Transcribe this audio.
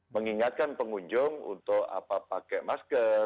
mengingatkan pengunjung untuk pakai masker